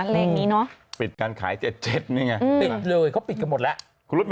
อย่างนี้เนาะปิดการขาย๗๗นี่ไงปิดเลยเขาปิดกันหมดแล้วคุณรุ๊ป